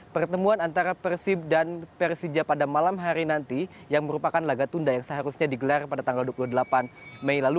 pertemuan antara persib dan persija pada malam hari nanti yang merupakan laga tunda yang seharusnya digelar pada tanggal dua puluh delapan mei lalu